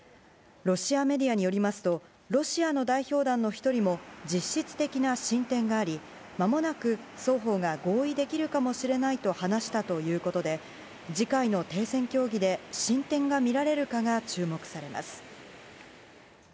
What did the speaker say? ロシアメディアによりますとロシアの代表団の１人も実質的な進展がありまもなく双方が合意できるかもしれないと話したということで次回の停戦協議で進展がみられるかが注目されます。